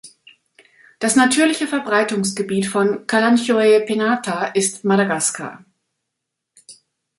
Das natürliche Verbreitungsgebiet von "Kalanchoe pinnata" ist Madagaskar.